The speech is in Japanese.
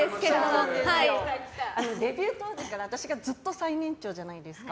デビュー当時から私がずっと最年長じゃないですか。